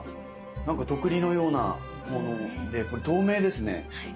なんかとっくりのようなものでこれ透明ですね。